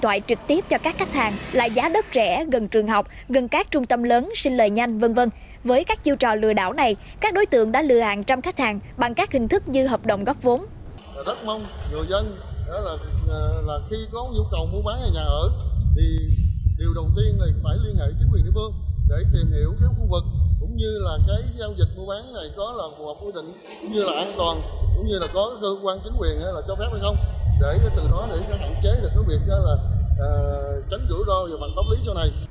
cho phép hay không để từ đó đảm chế được việc tránh rủi ro và bằng tóc lý sau này